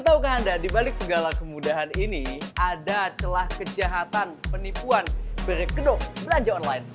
tahukah anda dibalik segala kemudahan ini ada celah kejahatan penipuan berkedok belanja online